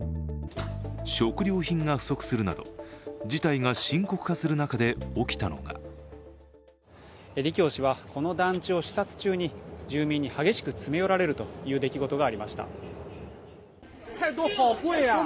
食料品が不足するなど、事態が深刻化する中で起きたのが李強氏はこの団地を視察中に、住民に激しく詰め寄られるという出来事がありました。